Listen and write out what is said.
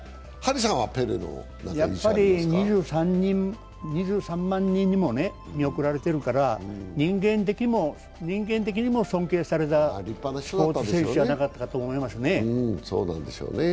やっぱり２３万人にも見送られてるから、人間的にも尊敬されたスポーツ選手じゃなかったかと思いますね。